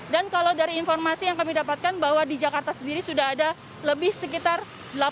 dan kalau dari informasi yang kami dapatkan bahwa di jakarta sendiri sudah ada vaksin yang berbeda